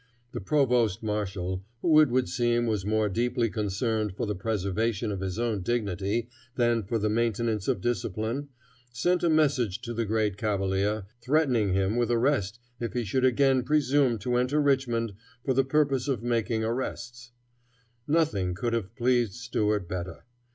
The provost marshal, who it would seem was more deeply concerned for the preservation of his own dignity than for the maintenance of discipline, sent a message to the great cavalier, threatening him with arrest if he should again presume to enter Richmond for the purpose of making arrests. Nothing could have pleased Stuart better.